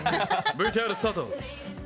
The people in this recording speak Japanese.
ＶＴＲスタート！